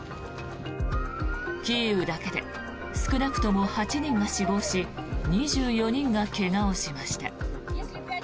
キーウだけで少なくとも８人が死亡し２４人が怪我をしました。